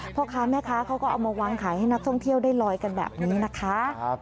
พ่อค้าแม่ค้าเขาก็เอามาวางขายให้นักท่องเที่ยวได้ลอยกันแบบนี้นะคะ